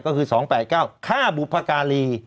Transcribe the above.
ก็คือ๒๘๙ฆ่าบุพการี